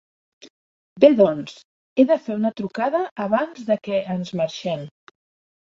Bé doncs, he de fer una trucada abans de que ens marxem.